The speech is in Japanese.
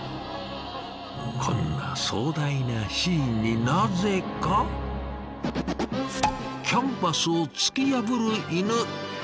こんな壮大なシーンになぜかキャンバスを突き破る犬。